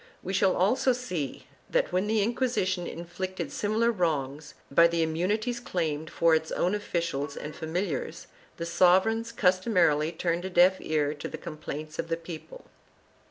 We shall also see that, when the Inquisition inflicted similar wrongs by the immunities claimed for its own officials and familiars, the sovereigns customarily turned a deaf ear to the complaints of the people.